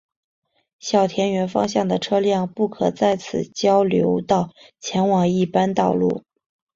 小田原方向的车辆不可在此交流道前往一般道路。